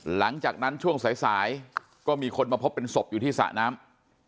หลังจากนั้นช่วงสายก็มีคนมาพบเป็นศพอยู่ที่สระน้ำ